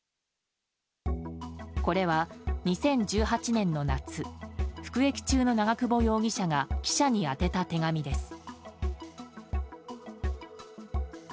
これは、２０１８年の夏服役中の長久保容疑者が記者に宛てた手紙です。